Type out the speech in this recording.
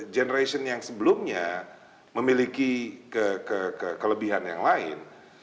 generation yang sebelumnya memiliki kelebihan yang lain